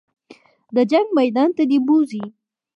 د جنګ میدان ته دې بوځي.